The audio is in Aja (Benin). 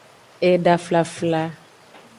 Eda flfla.